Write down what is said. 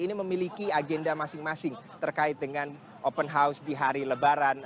ini memiliki agenda masing masing terkait dengan open house di hari lebaran